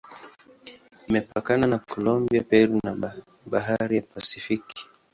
Imepakana na Kolombia, Peru na Bahari ya Pasifiki.